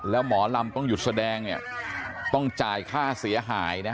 แล้วหมอลำต้องหยุดแสดงเนี่ยต้องจ่ายค่าเสียหายนะ